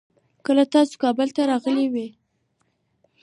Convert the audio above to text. کله تاسو کابل ته راغلې وي؟